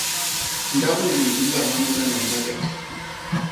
Ndapñgii i nla bana ñgandak madek.